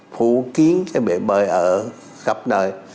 phú kiến cái bế bơi ở khắp nơi